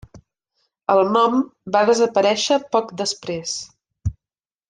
El nom va desaparèixer poc després.